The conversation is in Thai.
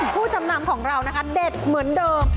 ผู้จำนำของเรานะคะเด็ดเหมือนเดิม